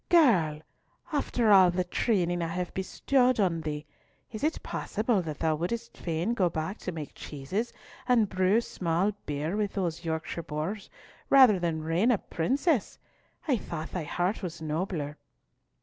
"Girl! After all the training I have bestowed on thee, is it possible that thou wouldst fain go back to make cheeses and brew small beer with those Yorkshire boors, rather than reign a princess? I thought thy heart was nobler."